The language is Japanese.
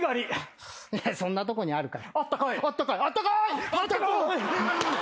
そんなとこにあるか。